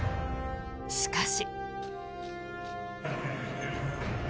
しかし。